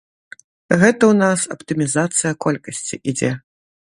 Гэта ў нас аптымізацыя колькасці ідзе.